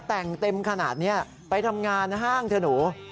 แต่งเต็มขนาดนี้ไปทำงานห้างเถอะหนู